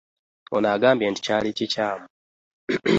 Ono agambye nti kyali kikyamu